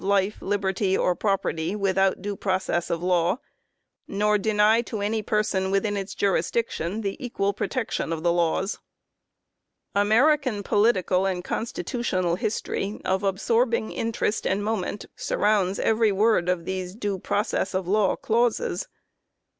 ON AMERICAN DEVELOPMENT 219 life, liberty, or property without due process of law ; nor deny to any person within its jurisdiction the equal protection of the laws ". American political and constitutional history of absorbing interest and moment surrounds every word of these due process of law clauses.